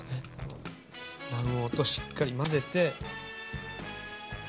卵黄としっかり混ぜて。